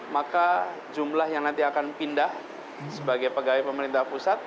maka jumlah yang nanti akan pindah sebagai pegawai pemerintah pusat